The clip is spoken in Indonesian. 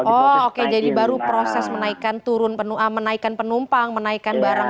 oh oke jadi baru proses menaikan penumpang menaikan barang barang